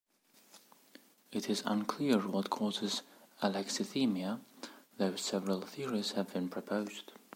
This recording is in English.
It is unclear what causes alexithymia, though several theories have been proposed.